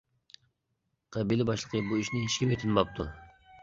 قەبىلە باشلىقى بۇ ئىشنى ھېچكىمگە تىنماپتۇ.